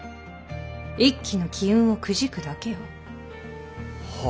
一揆の機運をくじくだけよ。は？